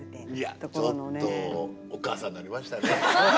いやちょっとお母さんになりましたね。